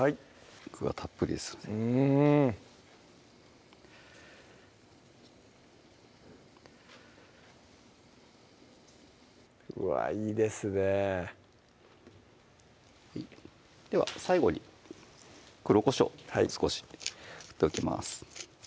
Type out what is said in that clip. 具はたっぷりですのでうんうわいいですねでは最後に黒こしょう少し振っておきます